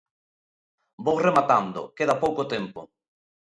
Vou rematando, queda pouco tempo.